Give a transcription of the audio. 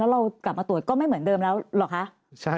เรากลับมาตรวจก็ไม่เหมือนเดิมแล้วเหรอคะ